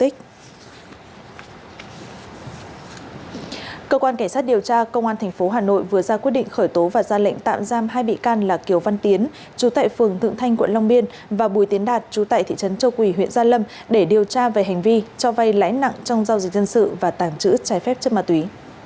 cho vay lãi nặng trong giao dịch dân sự và tàng trữ trái phép chất mạ túy